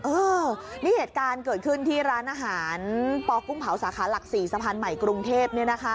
เออนี่เหตุการณ์เกิดขึ้นที่ร้านอาหารปกุ้งเผาสาขาหลัก๔สะพานใหม่กรุงเทพ